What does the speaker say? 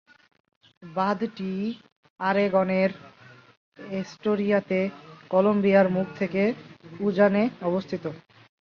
বাঁধটি অরেগনের অ্যাস্টোরিয়াতে কলম্বিয়ার মুখ থেকে উজানে অবস্থিত।